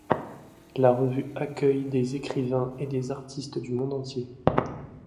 La revue accueille des écrivains et des artistes du monde entier.